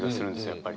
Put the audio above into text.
やっぱり。